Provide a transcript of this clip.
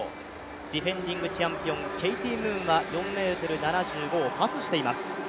ディフェンディングチャンピオン、ケイティ・ムーンは４ｍ７５をパスしています。